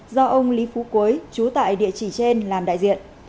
do ông lý phú quế chú tại địa chỉ trên làm đại diện